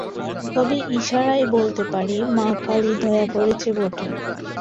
তবে ইশারায় বলতে পারি মা কালী দয়া করেছেন বটে!